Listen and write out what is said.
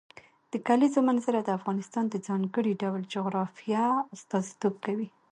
د کلیزو منظره د افغانستان د ځانګړي ډول جغرافیه استازیتوب کوي.